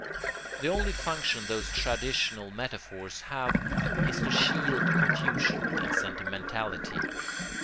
The only function those traditional metaphors have is to shield confusion and sentimentality.